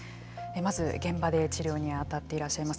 まず、現場で医療に当たっていらっしゃいます